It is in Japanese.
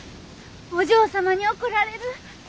お嬢様に怒られる。